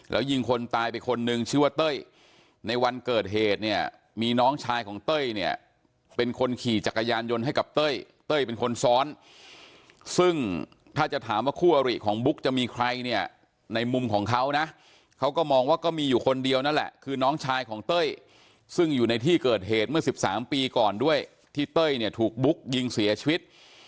แล้วยิงคนตายไปคนนึงชื่อว่าเต้ยในวันเกิดเหตุเนี่ยมีน้องชายของเต้ยเนี่ยเป็นคนขี่จักรยานยนต์ให้กับเต้ยเต้ยเป็นคนซ้อนซึ่งถ้าจะถามว่าคู่อริของบุ๊กจะมีใครเนี่ยในมุมของเขานะเขาก็มองว่าก็มีอยู่คนเดียวนั่นแหละคือน้องชายของเต้ยซึ่งอยู่ในที่เกิดเหตุเมื่อ๑๓ปีก่อนด้วยที่เต้ยเนี่ยถูกบุ๊กยิงเสียชีวิต